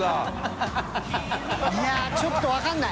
いやちょっと分からない